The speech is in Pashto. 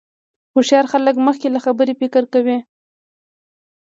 هوښیار خلک مخکې له خبرې فکر کوي.